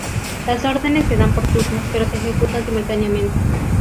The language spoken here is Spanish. Las órdenes se dan por turnos pero se ejecutan simultáneamente.